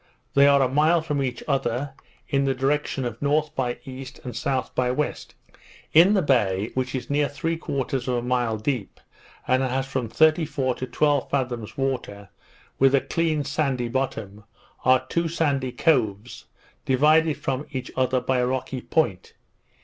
They are a mile from each other, in the direction of N. by E. and S. by W. In the bay, which is near three quarters of a mile deep, and has from thirty four to twelve fathoms water, with a clean sandy bottom, are two sandy coves, divided from each other by a rocky point.